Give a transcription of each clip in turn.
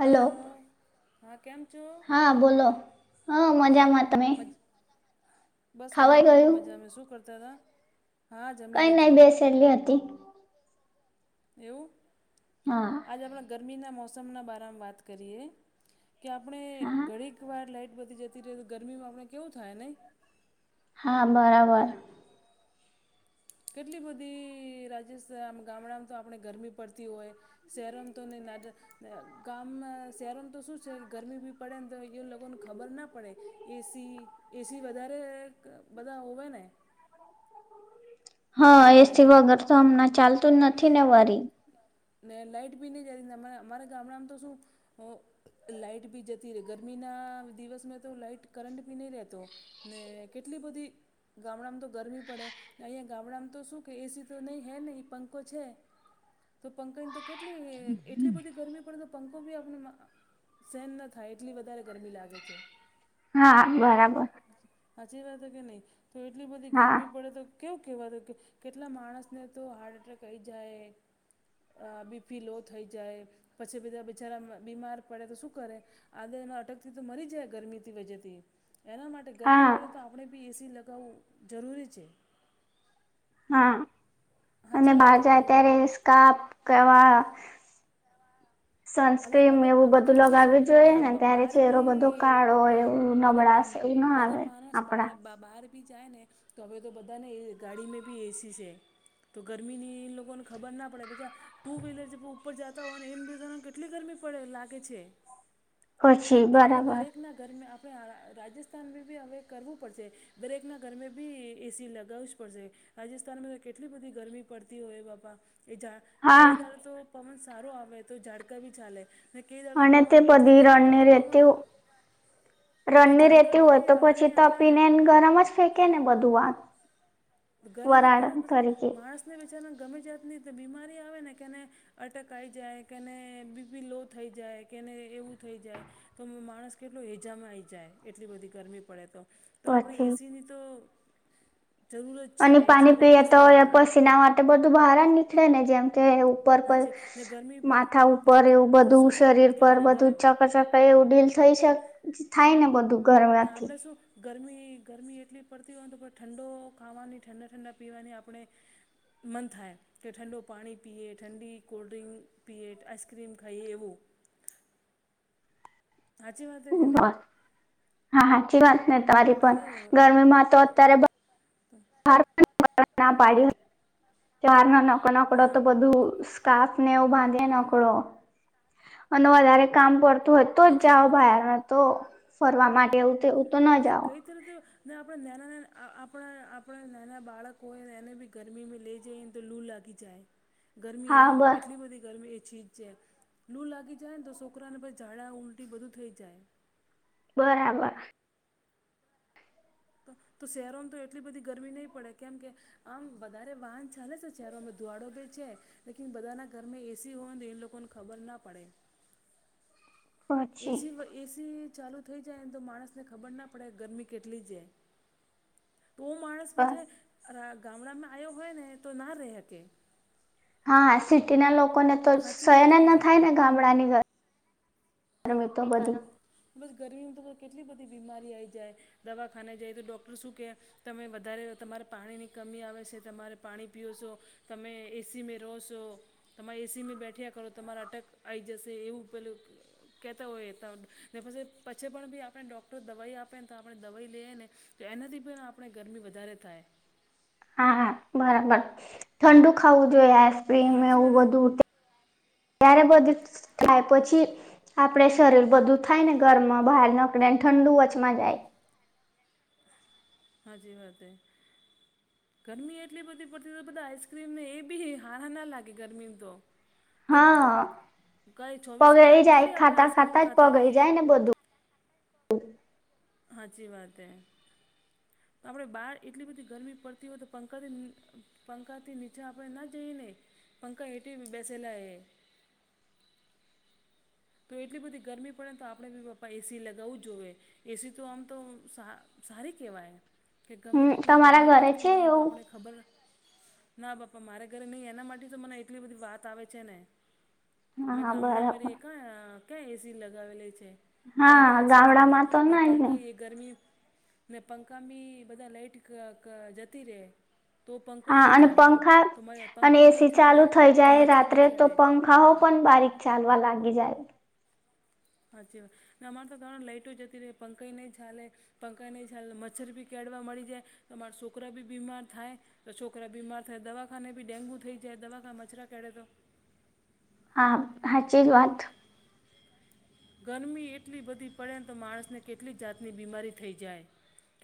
Hello હા કેમ છો? હા બોલો, હું મજામાં તમે? મજ બસ અમે ખાવાઈ પણ બી ગયું મજામે શું કરતા હતા? હા જમી કઈ લીધો નહી બેસેલી હતી. એવું? હા. આજે આપણે ગરમીના મોસમના બારામાં વાત કરીએ, કે આપણે હા ઘણી એક વાર લાાઈટ બધી જતી રહે તો ગરમીમાં આપણે કેવું થાય નહી? હા બરાબર. કેટલી બધી રાજસ્થાન ગામડામાં તો આપણે ગરમી પડતી હોય. શેરોમ તો ની આજે ગામ શહેરોનું તો શું છે ગરમી બી પડે ને તો એ લોકોને ખબર ના પડે. એ સી એ સી વધારે બધા હોવે ને. હા ને એસી વગર તો હમણાં ચાલતું જ નથી ને વરી. ને લાઈટ બી ની જાય અમારા ગામડામ તો શું. લાાઈટ ભી જતી રેય ગરમીના દિવસમાં તો લાઈટ કરંટ ભી નહી રહેતો. ને કેટલી બધી ગામડામાં તો ગરમી પડે, અહિયાં ગામડામાં તો શું કે એ સી તો નહી હૈ નહીં પંખો છે. તો પંખાની તો કેટલી એટલી બધી ગરમી પડે તો પંખ બી આપણાને સહેન ના થાય એટલી વધારે ગરમી લાગે છે. હા બરાબર. સાચી વાત હે કે ની, તો એટલી બધી હા ગરમી પડે તો કેવા કે, કેટલા માણસને તો હાર્ટ એટેક કહી જાય. બીપી લો થઈ જાય, પછી બધા બચારા બીમાર પડે તો શું કરે. આદે એ અટકથી તો મરી જાય ગરમી વજેથી, એના માટે માટે ગરમી હા પડે તો આપણે બી એસી લગાવવું જરૂરી છે. હા અને સાચી બહાર વાત કે જાય નહીં ત્યારે સ્કાપ કરવા. [inaudible] હવે હવે હવે તો બધું શું છે, લગાવવું કે જોઈએ ને ત્યારે બાર ચહેરો બધો બી કાળો એવું બધા નબળાશ એવું ના આવે બધા માણસ બાર આપડા બાપ બહાર બી જાય ને, તો હવે તો બધા ને ગાડી બી એ સી છે. તો ગરમીની એ લોકો ને ખબર ના પડે, પા ટુ વ્હીલર જે ઉપર જતા હોય ને એમ કેટલી ગરમી પડે લાગે છે, પછી તો આપણે બરાબર દરેક ના ગર આપણે રાજસ્થાન બ બી હવે કરવું પડશે, દરેકના ઘરમે બી એ સી લગાવવી જ પડશે. રાજસ્થાનમાં કેટલી બધી ગરમી પડતી હોય બાપા, એ જા હા કેદાર તો પવન સારું આવે તો ઝાડકા ભી ચાલે. ક જાાર તો અને તે પવન એટલી બધી ગરમી પરડ રણની તો રેતી પવન તો ઝાડકા ભી નઈ હવા ન આના ને. ગરમમાં જ ફેંકે ને બધું વાત. ગરમ જ થકે વરાળ ને, પછી તરીકે માણસને વિચારા ગમે જાતની બીમારી આવે ને કેને અટકઈ જાય કેને બીપી લો થઈ જાય કેને એવું થઈ જાય. તો માણસ કેટલો એજામાં આવી જાય એટલી બધી ગરમી પડે તો, તો આપણે એ પછી સીની તો જરૂર જ છે અને એસી પાણી પીએ લગાવવી જ તો પડે પસીના માટે બધું બહાર જ નીકળે ને જેમ કે એવું. ર હાચી ને ગરમી પર માથા ને ઉપર એવું પાછું બધું શું છે શરીર કે પર આપણે બધું ગરમ ચકચક. આપ એવું ડીલ થઈ શકે થાય ને બધું. ના ગરમથી આપડે શું ગરમી ગરમી એટલી પડતી હોય તો પણ ઠંડો ખાવાની ઠંડા ઠંડા પીવાની આપણે મન થાય. કે ઠંડો પાણી પીએ ઠંડી કોલ્ડ્રિંક પીએ આઈસક્રીમ ખાઈએ એવું. હાચી વાત કે નહીં. બસ હા હાચી વાત નહી તમારી તો પણ ગરમી માં તો અત્યારે. ના પાડી ચાર ન ન નકડો હા તો બધું. સ્કાફ ને એવ બાંધે નકળો અને વધારે કામ કરતો. ત હો તો જ સાચી જાાવ વાત હે બહારમાં તો ફરવા માટે એવું. તો ન ને જાઓ કઈ તરતે ને આપણે નાના ના આપણા આપણા નાના બાળકો હોયને એને બી. ગરમીમાં લઈ જઈ ને તો લૂ લાગી જાય ગરમી હા એવી બ એટલી બધી ગરમી એ ચીજ છે. લું લાગી જાયને તો છોકરાને પછ ઝાડા ઉઊલટી બધું થઈ જાય. બરાબર. તો શહેરોમાં તો એટલી બધી ગરમી નહી પડે કેમ કે આમ વધારે વાહન ચાલે છે ચારો અમે દુવાડો બી છે. લકીન બધા ના ઘરમે એસી હો તો એન લોકોને ખબર ના પડે. પછી એસી એસી ચાલુ થઈ જાય ને તો માણસને ખબર ના પડે ગરમી કેટલી જાય. તો માણસ પછ ગામડામાં આવ્યો હોય ને તો ના હકે. હા સિટીના લોકોને તો સાચી વાત કે શયન ના નહીં થાય ને ગામડાની ઘર. બસ ગરમીમાં તો કેટલી બધી બીમારી આઈ જાય. દવાખાને જાય તો ડોક્ટર શું કે. તમે વધારે તમારે પાણીની કમી આવે છે તમારે પાણી પીઓ છો. તમે એસીમાં રહો છો. તમા એસીમાં બેઠ્યા કરો તમારા અટક આઈ જશે એવું પેલું. કહેતા હોય ત ને પ પછી પણ બી આપણેને ડૉક્ટરો દવાઈ આપે ને તો આપણે દવાઈ લઈએ ને. તો એનાથી પણ આપણે ગરમી વધારે થાય. હા બરાબર ઠંડુ ખાવું જોઈએ આઈસ્ક્રીમ સાચી એવું વાત બધું. ત્યારે બધી થાય પછી. આપણે શરીર બધું થાય ને ગરમમાં બહાર નીકળી ને ઠંડુ વચમાં જાય હાચી વાત હે. ગરમી એટલી બધી પડતી બધા આઈસ્ક્રીમ ને એ બી હારા ના લાગે ગરમી તો કે હા કઈ ચોવીસ પગળી કલાક જાય થોડી આપણે ખાતા આઇસક્રીમ જ ખાતા પગળી રહીએ. જાય ને બધું હાચી વાત હૈ. આપડે બહાર એટલી બધી ગરમી પડતી હોય તો પંકજ. પંખાથી નીચે આપણેે ના જઈને પંખા હેટી બેસેલા એ તો એટલી બધી ગરમી પડે તો આપણે બી પપા એસી લગાવવું જ જોઈએ. એસી તો આમ તો સારી કેહેવાય. કે ગમે હમ જેટલી તમારા ગરમી ઘરે પડતી છે હોય ને તો એવું આપણે ખબર. ના બાપા મારે ઘરે નહીં એના માટે તો મને એટલી બધી વાત આવે છે ને. હા અમે હા બરાબર ગામડામાંરીએ ક ક્યાં એસી લગાવેલી છે. હા પંખા છે ખાલી ગામડામાં તો ને નઈ પંખા એક. ગરમી ને પંખા બી બધા લાાઈટ જતી રહે. તો પંખો હા નહીં અને ચાલતો પંખા તો મ અને પંખો નહીં એસી ચાલે તો મચ્છર બી કેળે. હા હોો પણ બારીક ચાલવા લાગી જાય. હાચીવા એમારે તો ઘણો લાઈટો જતી ર રહે પંખ નહીં ચાલે. પંખા નહીં ચા મચ્છર બી કેઢવા મળી જાય તમારા છોકરા બી બીમાર થાય. તો છોકરા બીમાર થાય દવાખાને બી ડેન્ગુ થઈ જાય દવાખા મચરા કેે તો. હા, હાચી જ વાત. [unintelligible] ગરમી એટલી બધી પડે ને તો માણસને કેટલી જાતની બીમારી થઈ જાય.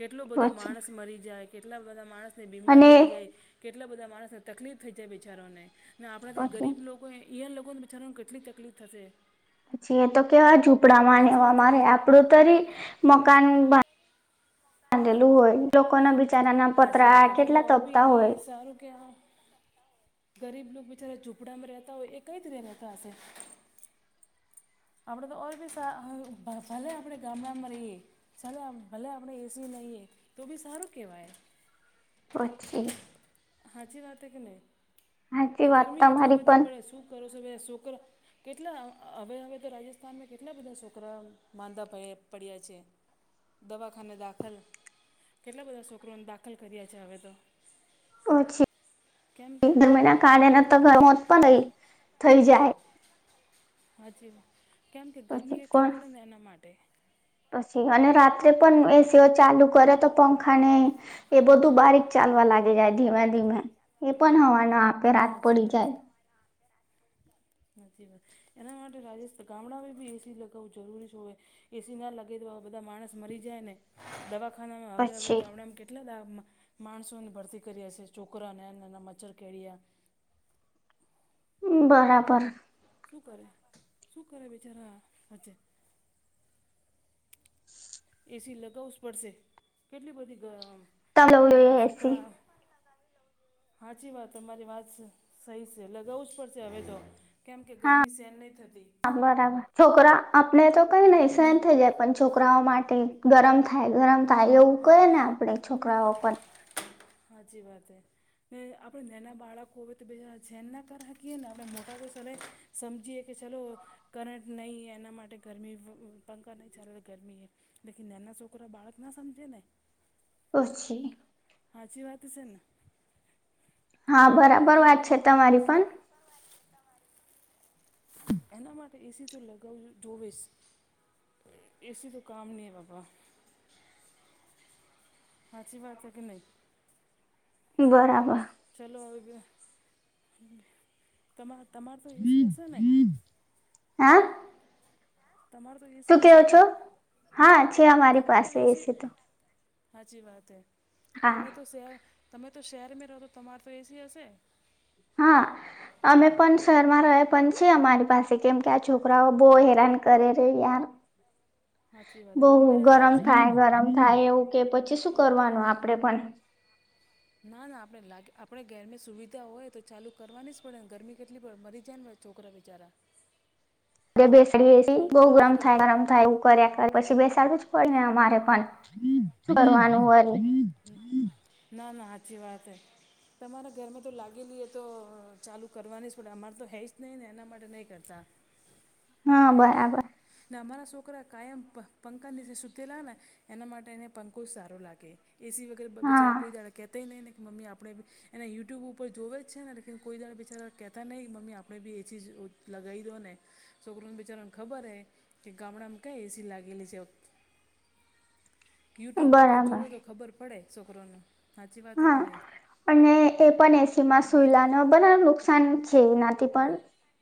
કેટલો બધો પછી માણસ મરી જાય કેટલા બધા માણસની અને બીમારી આવી જાય. કેટલા બધા માણસને તકલીફ થઈ જાય બિચારોને ને આપણાથી પછી ગરીબ લોકો એ. યા લગો તો બચારામાં કેટલી તકલીફ થશે. પછી એ તો કેવા ઝૂપડા સાચી માનેવા વાત છે કે મારે નહીં આપડું? મકાન બાંધેલું હોય લોકો ના બી. સાચી વાત, આપને તો ભી સારું કે ગરીબ લોકો બિચારા ઝૂપડામાં રહેતા હોય, એ કઈ રીતે રહેતા હશે? આપણેે તો ઓર બી ભલે, આપણે ગામડામાં રહીએ. ભલે આપણે એસી નઈએ તો બી સારું કેવાય. પછી. સાચી વાત કે નહીં? હાચી વાત ગરમી એટલી તમારી બધી પણ પડે, શું કરો છો ભાઈ છોકરા? કેટલા હવે હવે તો રાજસ્થાનમાં કેટલા બધા છોકરા માંદા પડ્યા છે. દવાખાને દાખલ, કેટલા બધા છોકરોને દાખલ કર્યા છે હવે તો. પછી કેમ કે એક દર મહિના કાઢેને, તો ઘરે કેમ હોત પણ નહી થઈ જાય. હા જી, કેમ કે પછી ગરમી એટલી જ કોણ પડે ને એના માટે. પછી અને રાત્રે પણ એસીઓ ચાલુ કરે તો, પંખા ને એ બધું બારીક. ચાલવા લાગી જાય ધીમે ધીમે, એ પણ હવાનો આપે, રાત હાચી પડી જાય. નથી વાત એના માટે રાજસ્થાન ગામડામાં બી એસી લગાવવું જરૂરી હોય. એસી ના લાગે તો બધા માણસ મરી જાય ને, દવા. આના હવે હવે પછી ગામડામાં કેટલા દ. માણસોને ભરતી કરીએ છે, છોકરા નાના નાના મેચ કરીએ. બરાબર. શું કરે, શું કરે બિચારા હેને. એસી લગાવું જ પડશે, કેટલી બધી. તમે લેવું જોઈએ આયા શુ એસી કરે? હાચી વાત, તમારી વાત સહી છે. લગાવું જ પડશે હવે તો. કેમ કે હા, ગરમી સહેન નહીં થતી બરાબર. છોકરા, આપને તો કઈ નહીં, ને સહન થઈ જાય પણ. છોકરાઓ માટે ગરમ થાય, ગરમ થાય એવું હા કહી ને આપણે છોકરાઓ પણ. હાચી વાત હ. ને આપણે નાના બાળકો હોય તો બીજા જેન ના કરકીએ ને, આપ મોટા તો ચાલે. સમજીએ કે, ચલો કરંટ નહીં, એના માટે ગરમી પંખા નહીં ચાલે ગરમીએ લકી નેના છોકરા, બાળક ના સમજે. પછી હાચી વાત છે ને. હા, બરાબર એના વાત માટે છે આપણે તમારી એસી પણ. એના માટે એસી તો લગાવી જોવીશ. એસી તો કામ ની બાબા. હાચી વાત કે નહીં? બરાબર. ચલો હવે, તમા તમાર તો એસી હશે ને? હા. તમારે. તો એસી તું હશે કેવો ને છો? હા છે, અમારી તમારે તો પાસે એ એસી છે તો. સાચી વાત હ, હા તમે તો શહેર તમે તો શહેરમાં રહો તો તમારુ તો એસી હશે. હા [unintelligible] અમે પણ શહેરમાં ર પણ છીએ, અમારી પાસે, કેમ કે આ છોકરાઓ બહુ હેરાન કરે છે યાર. સાાચી વાત, બહુ બોમ્બે રહેતા ગરમ હશો ને થાય તમે તો? ગરમ થાય એવું કે, પછી શું કરવાનું આપડે પણ? ના, ના. આપણે લાગે, આપણે ઘરે સુવિધા હોય તો ચાલુ કરવાની જ પડે ને. ગરમી કેટલી પડે, મરી જાય. છોકરા બિચારા. એ બેસડી બેેસી ચાલુ બઉુ કરવી જ ગરમ પડે થાય, ગરમ. થાઈ એવું કર્યા કર પછી બેસાડવું જ પડે ને અમારે પણ, સુ કરવાનું હવારે? હ, ના ના હાચી વાત હે. તમારા ઘરમાં તો લાગેલી એ તો ચાલુ કરવાની પડે અમારે તો હૈ જ નહી ને એના માટે નહી કરતા. હા બરાબર. ના અમારા છોકરા કાયમ પ પંકા નીચે સુતેલા ને. એના માટે એને પંખો જ સારો લાગે. એ સી વગેરે બ હા બીચારા કોઈ દાડા કેહતાય નહીં ને કે મમ્મી આપણે એને યુટ્યુબ ઉપર જોવે જ છે ને લેકિન કોઈ દાડા બિચારા કહેતા નહીં મમ્મી આપણે બી એ ચીજ લગાઈ દો ને. છોકરને બિચારાને ખબર હે કે ગામડામાં કઈ એસી લાગેલી છે. યુટ્યુબ ઉપર બરાબર જોવે તો ખબર પડે છોકરોને. સાચી વાત હે કે હા, નહીં અને એ પણ એ સી માં સુઈલા ગણા બધા નુકસાન છે એનાથી પણ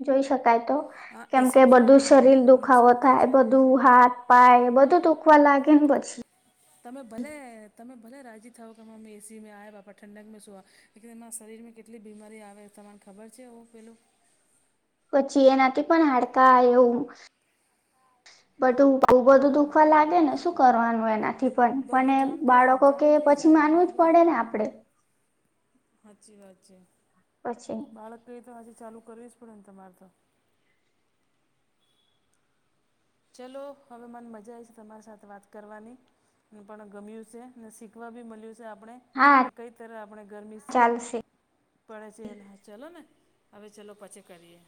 જોઈ શકાય તો. આ કેમ કે એસીમાં શું એ બધું શરીર દુખાવો નુકસાન તો થાય, છે બધું હાથ, પાય બધું દુખવા લાગે ને પછી. તમે ભલે, તમે ભલે રાજી થાવ કે મમ્મી એ સીમાં આ બાપા ઠંડક મે સુ આ કે એના શરીરમાં કેટલી બીમારી આવે તમન ખબર છે એવું પેલું? પછી એનાથી પણ હાડકા એવું [unintelligible] બટ બું તો બધું દુખવા લાગે ને શું કરવાનું એનાથી બધું પણ પણ બધું જામ એ થ બાળકો જામ કે થઈ પછી જાય માનવું જ પડે ને આપડે? હાચી વાત છે. પછી. બાળકએ તો આજે ચાલુ કરવી જ પડે ને તમારે તો? ચલો હવે મને મજા આઈ છે તમારી સાથે વાત કરવાની. મને પણ ગમ્યું છે, ને શીખવા બી મળ્યું છે આપણે. હા કે કઈ તર આપણે ગરમી સી ચાલશે પડે છે એ હ ચલો ને, હવે ચલો પછી કરીએ.